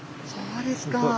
そうですか。